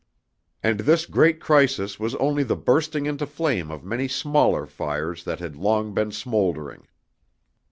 And this great crisis was only the bursting into flame of many smaller fires that had long been smoldering.